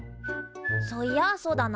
そういやあそうだな。